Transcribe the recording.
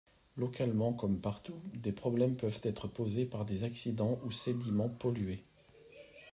Localement, comme partout, des problèmes peuvent être posés par des accidents ou sédiments pollués.